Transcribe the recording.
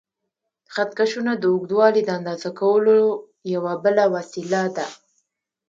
خط کشونه د اوږدوالي د اندازه کولو یوه بله وسیله ده.